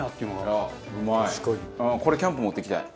これキャンプ持っていきたい。